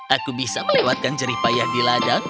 aku bisa kuatkan jerih payah di ladang